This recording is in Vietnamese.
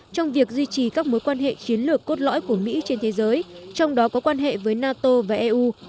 trong việc duy trì các mối quan hệ chiến lược cốt lõi của mỹ trên thế giới trong đó có quan hệ với nato và eu